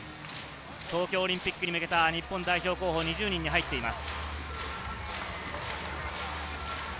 東京オリンピックに向けた日本代表候補２０人に入っています。